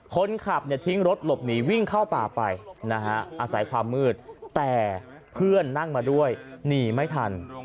คนขับทิ้งรถหลบหนีวิ่งเข้าป่าไปนะฮะอาศัยความมืดแต่เพื่อนนั่งมาด้วยหนีไม่ทัน